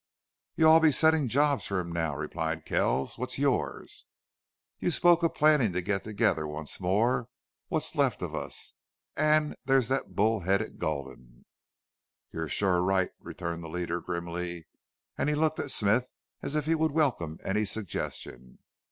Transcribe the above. "You'll all be setting him jobs now," replied Kells. "What's yours?" "You spoke of plannin' to get together once more what's left of us. An' there's thet bull head Gulden." "You're sure right," returned the leader, grimly, and he looked at Smith as if he would welcome any suggestion.